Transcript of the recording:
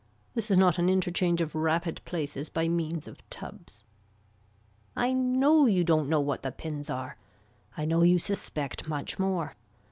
This is not an interchange of rapid places by means of tubs. I know you don't know what the pins are. I know you suspect much more.